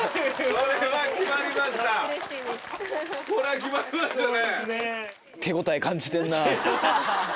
これは決まりましたよね。